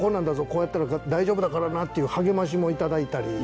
「こうやったら大丈夫だからな！」っていう励ましも頂いたり。